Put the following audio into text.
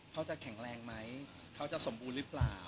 เขาจะแข็งแรงไหมเขาจะสมบูรณ์หรือเปล่า